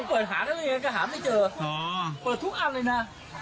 เปิดทุกอันเลยนะ